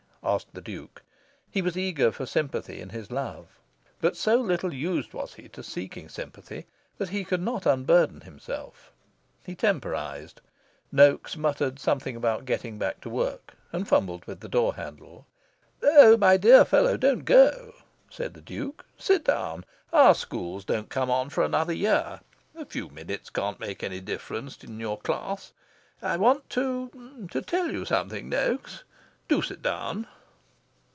asked the Duke. He was eager for sympathy in his love. But so little used was he to seeking sympathy that he could not unburden himself. He temporised. Noaks muttered something about getting back to work, and fumbled with the door handle. "Oh, my dear fellow, don't go," said the Duke. "Sit down. Our Schools don't come on for another year. A few minutes can't make a difference in your Class. I want to to tell you something, Noaks. Do sit down."